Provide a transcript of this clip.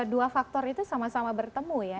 dua faktor itu sama sama bertemu ya